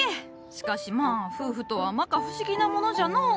しかしまあ夫婦とは摩訶不思議なものじゃのう。